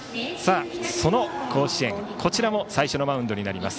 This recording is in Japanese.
その甲子園、こちらも最初のマウンドになります。